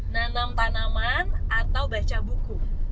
nanam tanaman atau baca buku